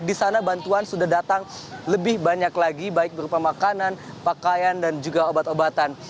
di sana bantuan sudah datang lebih banyak lagi baik berupa makanan pakaian dan juga obat obatan